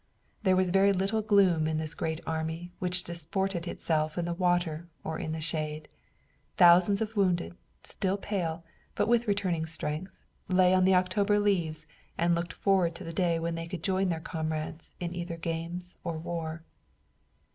There was very little gloom in this great army which disported itself in the water or in the shade. Thousands of wounded, still pale, but with returning strength, lay on the October leaves and looked forward to the day when they could join their comrades in either games or war.